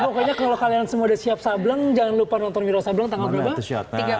pokoknya kalau kalian semua udah siap sableng jangan lupa nonton wiro sableng tanggal berapa